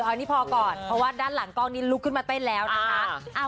อันนี้พอก่อนเพราะว่าด้านหลังกล้องนี้ลุกขึ้นมาเต้นแล้วนะคะ